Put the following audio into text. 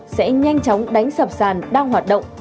sẽ nhanh chóng đánh sập sàn đang hoạt động